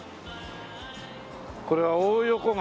これは大横川。